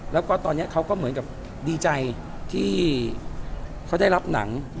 แล้วก็ตอนนี้เขาก็เหมือนกับดีใจที่เขาได้รับหนัง